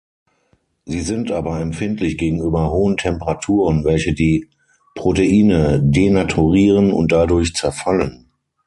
Sie sind aber empfindlich gegenüber hohen Temperaturen, welche die Proteine denaturieren und dadurch zerfallen.